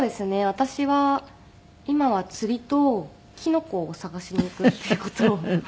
私は今は釣りとキノコを探しに行くっていう事を。